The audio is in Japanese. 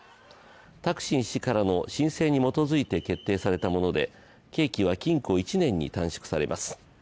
タクシン氏からの申請に基づいて決定されたもので刑期は禁錮１年に短縮されます。